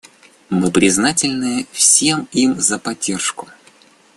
Мы признательны всем им за поддержку.